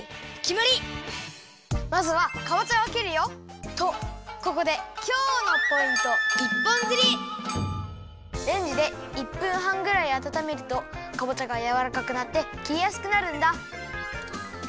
まずはかぼちゃをきるよ。とここでレンジで１分はんぐらいあたためるとかぼちゃがやわらかくなってきりやすくなるんだ。